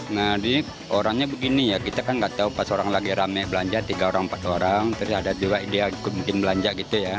nah ini orangnya begini ya kita kan nggak tahu pas orang lagi rame belanja tiga orang empat orang terus ada juga dia ikutin belanja gitu ya